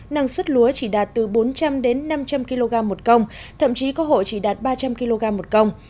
năng suất lúa chỉ đạt từ bốn trăm linh đến năm trăm linh kg một công thậm chí có hộ chỉ đạt ba trăm linh kg một công